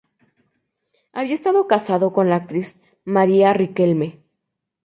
Había estado casado con la actriz Maria Riquelme.